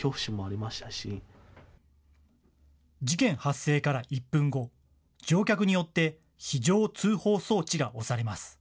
事件発生から１分後、乗客によって非常通報装置が押されます。